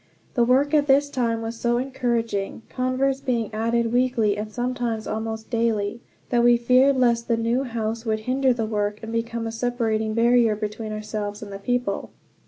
The work at this time was so encouraging converts being added weekly, and sometimes almost daily that we feared lest the new house would hinder the work, and become a separating barrier between ourselves and the people.